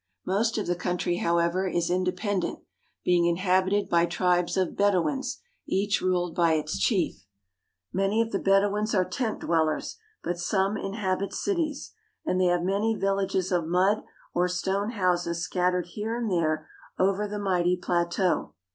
Most of the country, however, is independent, being inhabited by tribes of Bedouins, each ruled by its chief. Many of the Bedouins are tent dwellers, but some inhabit cities, and they have many villages of mud or stone houses scattered here and there over the mighty plateau.